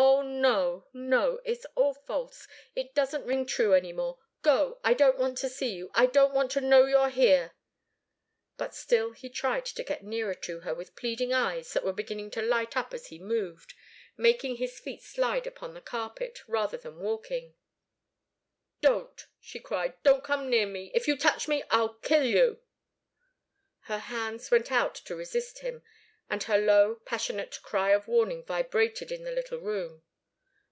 Oh no, no! It's all false it doesn't ring true any more. Go I don't want to see you I don't want to know you're here " But still he tried to get nearer to her with pleading eyes that were beginning to light up as he moved, making his feet slide upon the carpet, rather than walking. "Don't!" she cried. "Don't come near me! If you touch me I'll kill you!" Her hands went out to resist him, and her low, passionate cry of warning vibrated in the little room.